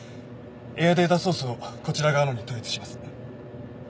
エアデータソースをこちら側のに統一します。